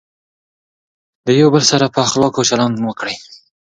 د یو بل سره په اخلاقو چلند وکړئ.